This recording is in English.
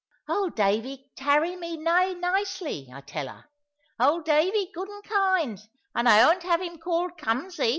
"Old Davy tarry me aye nicely, I tell 'a. Old Davy good and kind; and I 'ont have him called kumsy."